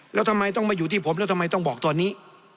แล้วทำไมต้องมาอยู่ที่ผมแล้วทำไมต้องบอกตอนนี้